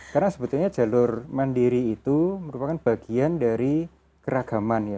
karena sebetulnya jalur mandiri itu merupakan bagian dari keragaman ya